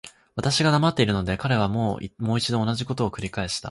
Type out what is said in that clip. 私が黙っているので、彼はもう一度同じことを繰返した。